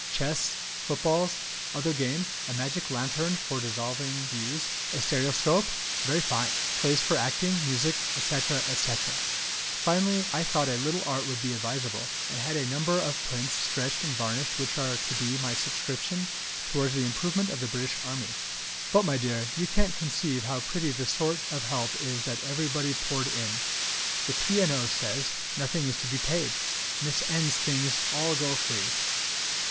Chess, Footballs, other games, a magic Lanthern for Dissolving views, a Stereoscope (very fine!), plays for acting, music, &c. &c. Finally I thought a little art would be advisable, and had a number of prints stretched and varnished which are to be my subscription towards the improvement of the British army! But, my dear, you can't conceive how pretty the sort of help is that everybody poured in; the P. & O. says, nothing is to be paid, Miss N.'s things all go free.